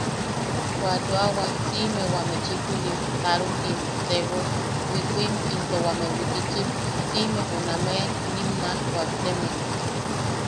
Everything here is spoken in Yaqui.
Wa yoawa siʼime wame chikulim, tarukim, tebos, wikuim into wame wikichim, siʼime junameʼe inim naaj kuakteme...